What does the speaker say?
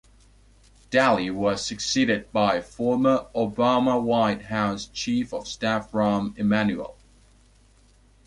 Daley was succeeded by former Obama White House Chief of Staff Rahm Emanuel.